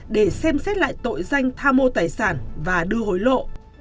để xem xét lại tội danh tha mô tài sản và đưa hối lộ